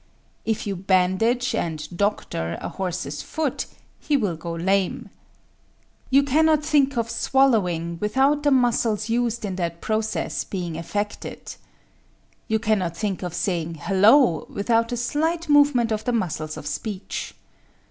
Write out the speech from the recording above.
If you bandage and "doctor" a horse's foot, he will go lame. You cannot think of swallowing, without the muscles used in that process being affected. You cannot think of saying "hello," without a slight movement of the muscles of speech.